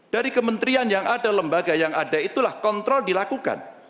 dari kementerian yang ada lembaga yang ada itulah kontrol dilakukan